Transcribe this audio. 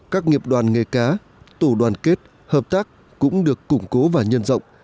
các nghiệp đoàn nghề cá tổ đoàn kết hợp tác cũng được củng cố và nhân rộng